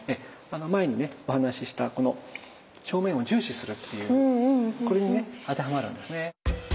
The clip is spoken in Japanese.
前にねお話しした正面を重視するっていうこれにね当てはまるんですね。